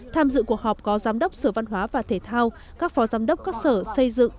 tham dự cuộc họp có giám đốc sở văn hóa và thể thao các phó giám đốc các sở xây dựng